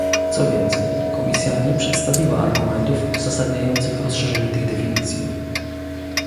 Co więcej, Komisja nie przedstawiła argumentów uzasadniających rozszerzenie tych definicji